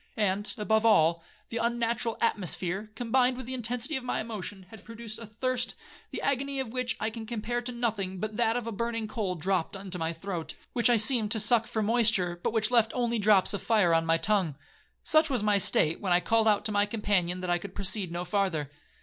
And, above all, the unnatural atmosphere, combined with the intensity of my emotion, had produced a thirst, the agony of which I can compare to nothing but that of a burning coal dropt into my throat, which I seemed to suck for moisture, but which left only drops of fire on my tongue. Such was my state, when I called out to my companion that I could proceed no farther.